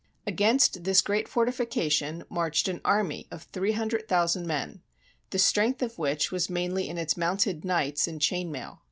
Against this great fortification marched an army of three hundred thousand men, the strength of which was mainly in its mounted knights in chain mail.